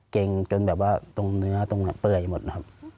เก่งจนแบบว่าตรงเนื้อตรงนั้นเปื่อยหมดนะครับ